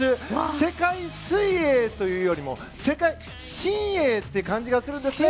世界水泳というよりも世界新泳という感じがするんですね。